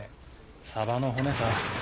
サバの骨さ。